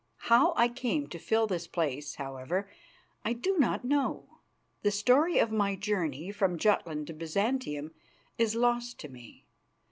How I came to fill this place, however, I do not know. The story of my journey from Jutland to Byzantium is lost to me.